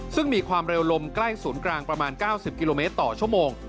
ซึ่งมีความเร็วลมใกล้ศูนย์กลางประมาณ๙๐กิโลเมตรต่อชั่วโมง